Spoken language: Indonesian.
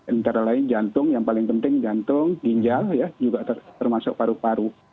antara lain jantung yang paling penting jantung ginjal juga termasuk paru paru